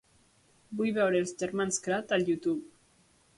Vull veure els germans kratt al youtube.